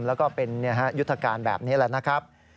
แล้วก็เป็นยุทธการแบบนี้แหละนะครับ